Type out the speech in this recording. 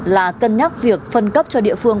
là cân nhắc việc phân cấp cho địa phương